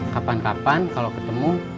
kapan kapan kalau ketemu